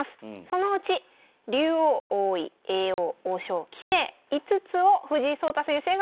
そのうち竜王王位叡王王将棋聖５つを藤井聡太先生が持っております。